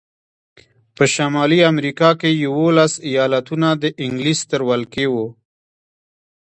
په شمالي امریکا کې یوولس ایالتونه د انګلیس تر ولکې وو.